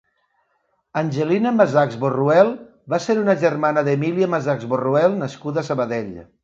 Angelina Masachs Borruel va ser una germana d'Emília Masachs Borruel nascuda a Sabadell.